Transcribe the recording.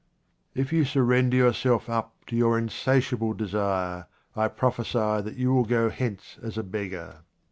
If you surrender yourself up to your insatiable desire, I prophesy that you will go hence as a beggar.